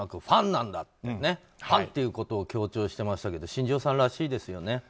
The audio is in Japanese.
ファンということを強調してましたけど新庄さんらしいですよね。